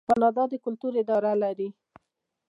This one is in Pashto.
کاناډا د کلتور اداره لري.